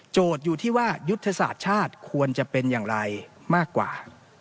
อยู่ที่ว่ายุทธศาสตร์ชาติควรจะเป็นอย่างไรมากกว่า